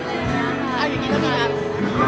เอาอย่างงี้ก็ได้อะ